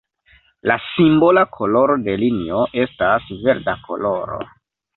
La simbola koloro de linio estas verda koloro.